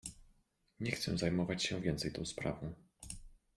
"„Nie chcę zajmować się więcej tą sprawą."